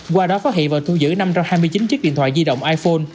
qua đó phát hiện và thu giữ năm trăm hai mươi chín chiếc điện thoại di động iphone